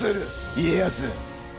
家康。